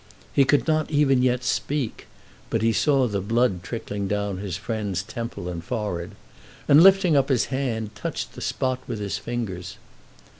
He could not even yet speak; but he saw the blood trickling down his friend's temple and forehead, and lifting up his hand, touched the spot with his fingers.